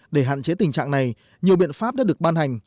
để hạn chế tình trạng này nhiều biện pháp đã được ban hành